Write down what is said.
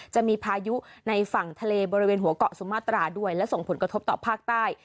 จะมีพายุในฝั่งทะเลบริเวณหัวเกาะสุมาตราด้วยและส่งผลกระทบต่อภาคใต้